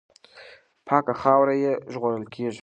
پاکه خاوره یې ژغورل کېږي.